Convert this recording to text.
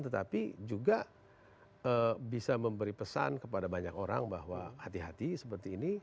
tetapi juga bisa memberi pesan kepada banyak orang bahwa hati hati seperti ini